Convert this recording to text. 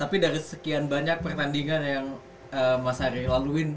tapi dari sekian banyak pertandingan yang mas ari laluin